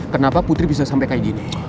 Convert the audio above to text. kenapa putri bisa sampai kayak gini